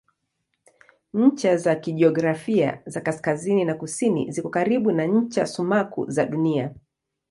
Ncha za kijiografia za kaskazini na kusini ziko karibu na ncha sumaku za Dunia.